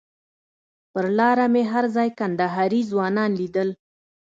پر لاره مې هر ځای کندهاري ځوانان لیدل.